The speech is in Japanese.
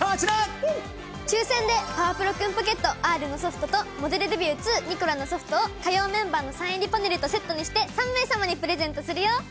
抽選で『パワプロクンポケットＲ』のソフトと『モデルデビュー２ニコラ』のソフトを火曜メンバーのサイン入りパネルとセットにして３名様にプレゼントするよ！